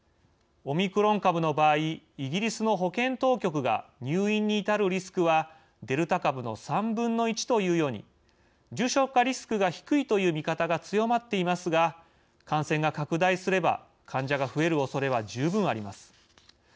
オミクロン株の場合イギリスの保健当局が入院に至るリスクはデルタ株の３分の１というように重症化リスクが低いという見方が強まっていますが感染が拡大すれば患者が増えるおそれは十分あります。